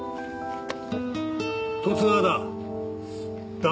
十津川だ。